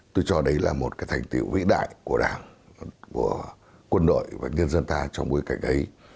tôi cho đấy là một cái thành tiệu vĩ đại của đảng của quân đội và nhân dân ta trong bối cảnh ấy